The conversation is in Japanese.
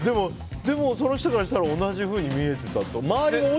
でも、その人からは同じように見えてたと。